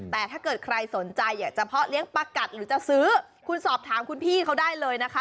แต่ถ้าเกิดใครสนใจอยากจะเพาะเลี้ยงปลากัดหรือจะซื้อคุณสอบถามคุณพี่เขาได้เลยนะคะ